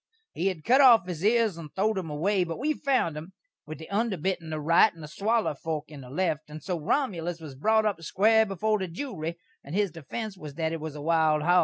He had cut off his ears and throwed 'em away; but we found 'em, with the under bit in the right and swaller fork in the left, and so Romulus was brot up square before the jewry, and his defense was that it was a wild hog.